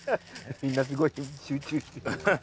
みんなすごい集中。